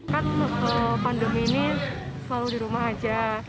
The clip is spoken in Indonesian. kan pandemi ini selalu di rumah aja